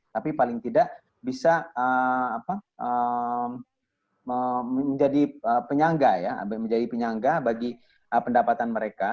tapi paling tidak bisa menjadi penyangga bagi pendapatan mereka